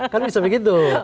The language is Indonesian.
kan bisa begitu